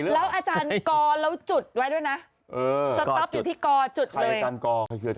แล้วอาจารย์กอแล้วจุดไว้ด้วยนะสต๊อปอยู่ที่กอจุด